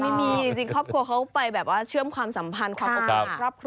ไม่มีจริงครอบครัวเขาไปแบบว่าเชื่อมความสัมพันธ์ครอบครัว